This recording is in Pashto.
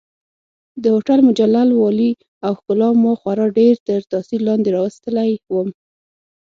د هوټل مجلل والي او ښکلا ما خورا ډېر تر تاثیر لاندې راوستلی وم.